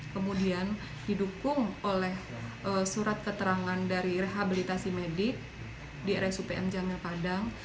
kemudian didukung oleh surat keterangan dari rehabilitasi medik di rsupm jamil padang